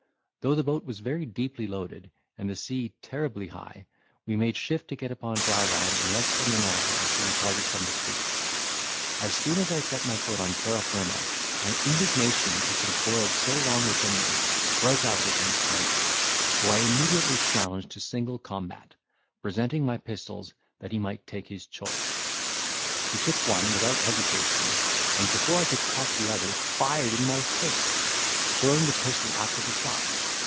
Though the boat was very deeply loaded, and the sea terribly high, we made shift to get upon dry land in less than an hour after we parted from the sloop. As soon as I set my foot on terra firma, my indignation, which had boiled so long within me, broke out against Crampley, whom I immediately challenged to single combat, presenting my pistols, that he might take his choice: he took one without hesitation, and, before I could cock the other, fired in my face, throwing the pistol after the shot.